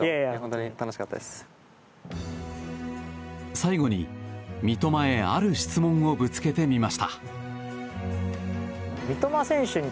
最後に、三笘へある質問をぶつけてみました。